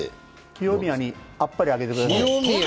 清宮にあっぱれあげてください。